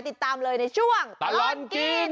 ติดตามเลยในช่วงตลอดกิน